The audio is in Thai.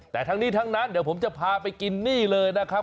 แต่ทั้งนี้ทั้งนั้นเดี๋ยวผมจะพาไปกินนี่เลยนะครับ